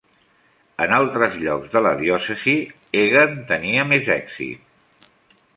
En altres llocs de la diòcesi, Egan tenia més èxit.